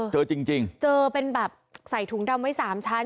เจอจริงเจอเป็นแบบใส่ถุงดำไว้๓ชั้น